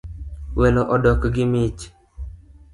Welo odok gi mich